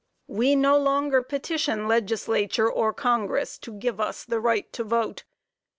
We no longer petition Legislature or Congress to give us the right to vote.